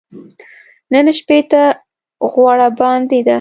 نن شپې ته غوړه باندې ده .